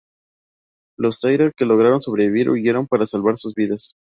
Los Taira que lograron sobrevivir huyeron para salvar sus vidas.